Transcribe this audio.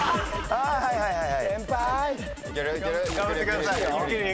はいはいはいはい。